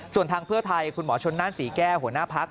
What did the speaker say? ส่วนทางเพื่อไทยคุณหมอชนนั่นศรีแก้หัวหน้าพัก